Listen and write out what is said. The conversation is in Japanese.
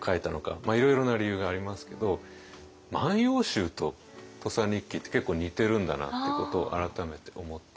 まあいろいろな理由がありますけど「万葉集」と「土佐日記」って結構似てるんだなってことを改めて思って。